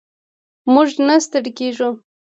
موږ نه ستړي کیږو.